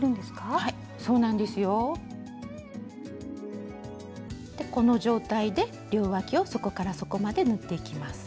はいそうなんですよ。この状態で両わきを底から底まで縫っていきます。